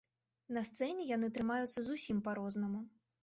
На сцэне яны трымаюцца зусім па-рознаму.